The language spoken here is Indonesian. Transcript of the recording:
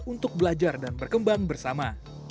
untuk belajar dan berkembang bersama